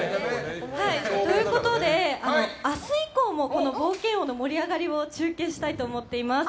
明日以降も冒険王の盛り上がりを中継したいと思っています。